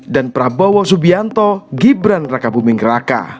dan prabowo subianto gibran rakabuming raka